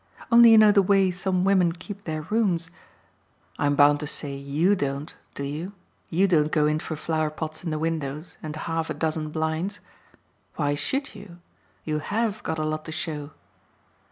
Only you know the way some women keep their rooms. I'm bound to say YOU don't, do you? you don't go in for flower pots in the windows and half a dozen blinds. Why SHOULD you? You HAVE got a lot to show!"